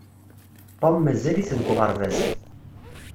Tom mazal-it deg uɣerbaz.